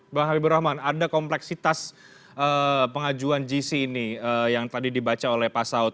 mbak halimur rahman ada kompleksitas pengajuan jisi ini yang tadi dibaca oleh pak saud